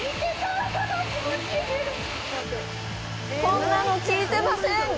こんなの聞いてません！